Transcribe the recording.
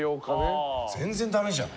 全然ダメじゃん！